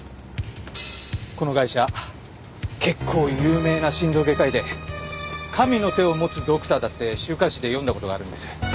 このガイシャ結構有名な心臓外科医で神の手を持つドクターだって週刊誌で読んだ事があるんです。